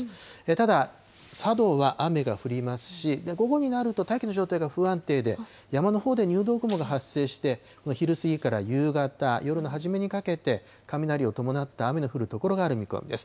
ただ、佐渡は雨が降りますし、午後になると大気の状態が不安定で、山のほうで入道雲が発生して、昼過ぎから夕方、夜の初めにかけて、雷を伴った雨の降る所がある見込みです。